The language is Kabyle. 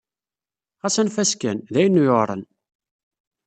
Ɣas anef-as kan! D ayen yuɛren.